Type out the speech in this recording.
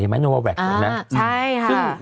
เห็นไหมโนวาแวคเหมือนกันนะ